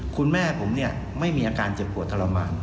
คุณแม่ผมเนี่ยไม่มีอาการเจ็บปวดทรมาน